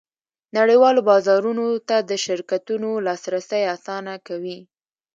نړیوالو بازارونو ته د شرکتونو لاسرسی اسانه کوي